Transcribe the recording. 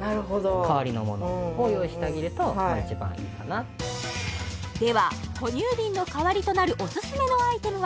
なるほど代わりのものを用意してあげると一番いいかなでは哺乳瓶の代わりとなるオススメのアイテムは？